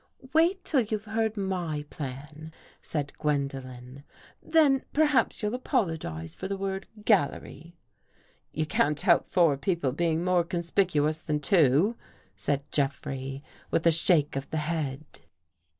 " Wait till you've heard my plan," said Gwen dolen. " Then perhaps you'll apologize for the word ' gallery.' "" You can't help four people being more conspicu ous than two," said Jeffrey with a shake of the head.